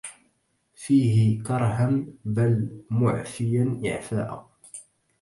فيه كَرْهاً بل مُعفياً إعفاءَ